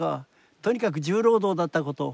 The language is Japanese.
とにかく重労働だったこと。